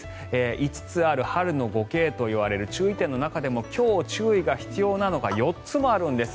５つある春の５Ｋといわれる注意点の中でも今日、注意が必要なのが４つもあるんです。